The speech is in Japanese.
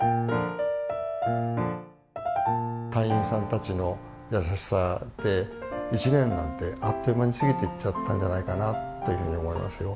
隊員さんたちの優しさで１年なんてあっという間に過ぎてっちゃったんじゃないかなというふうに思いますよ。